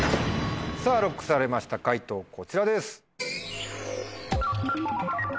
さぁＬＯＣＫされました解答こちらです。